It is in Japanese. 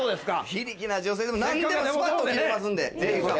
非力な女性でも何でもスパっと切れますんでぜひこれ。